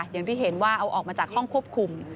อย่างที่เห็นว่าเอาออกมาจากห้องควบคุม